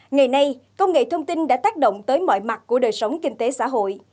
ngày nay công nghệ thông tin đã tác động tới mọi mặt của đời sống kinh tế xã hội